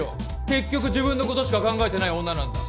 結局自分のことしか考えてない女なんだ。